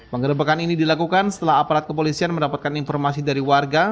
pengerebekan ini dilakukan setelah aparat kepolisian mendapatkan informasi dari warga